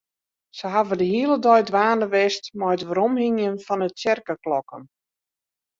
Se hawwe de hiele dei dwaande west mei it weromhingjen fan de tsjerkeklokken.